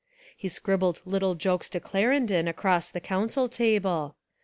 He scrib bled little jokes to Clarendon across the Coun cil table.